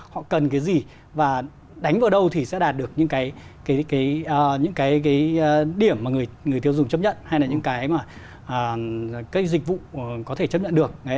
họ cần cái gì và đánh vào đâu thì sẽ đạt được những cái điểm mà người tiêu dùng chấp nhận hay là những cái mà cái dịch vụ có thể chấp nhận được